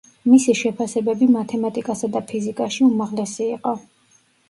მისი შეფასებები მათემატიკასა და ფიზიკაში, უმაღლესი იყო.